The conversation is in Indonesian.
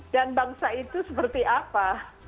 dan bangsa itu seperti apa